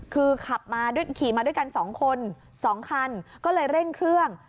คือขับมาขี่มาด้วยกัน๒คน๒คันก็เลยเร่งเครื่อง